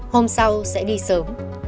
hôm sau sẽ đi sớm